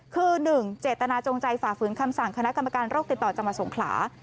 คือ๑เจตนาจงใจฝ่าฝืนคำสั่งคณะกรรมการโรคติดต่อจังหวัดสงขลา